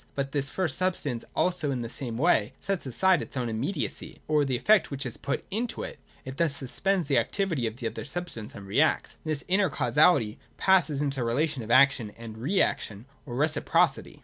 But this first substance also in the same way sets aside its own immediacy, or the effect which is put into it ; it thus suspends the activity of the other substance and reacts. In this manner causality passes into the relation of Action and Reaction, or Beciprocity.